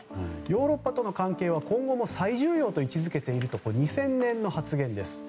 ヨーロッパとの関係は今後も最重要と位置付けているとこれは２０００年の発言です。